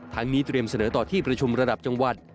นี้เตรียมเสนอต่อที่ประชุมระดับจังหวัด